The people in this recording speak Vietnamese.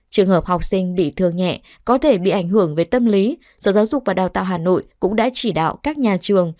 trường hợp học sinh bị thương nhẹ có thể bị ảnh hưởng về tâm lý sở giáo dục và đào tạo hà nội cũng đã chỉ đạo các nhà trường